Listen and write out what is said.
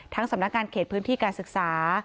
สำนักงานเขตพื้นที่การศึกษา